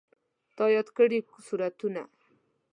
تا یاد کړي سورتونه